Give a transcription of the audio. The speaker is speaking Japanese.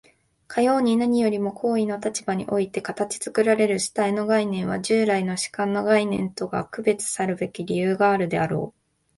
かように何よりも行為の立場において形作られる主体の概念は、従来の主観の概念とは区別さるべき理由があるであろう。